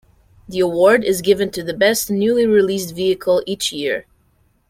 The award is given to the best newly released vehicle each year.